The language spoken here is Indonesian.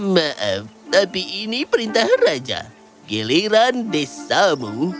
maaf tapi ini perintah raja giliran desamu